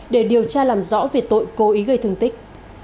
để điều tra làm rõ về tội cố ý gây thương tích